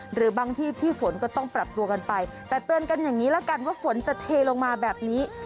หรือบางที่ที่ฝนก็ต้องปรับตัวกันไปแต่เตือนกันอย่างนี้ละกันว่าฝนจะเทลงมาแบบนี้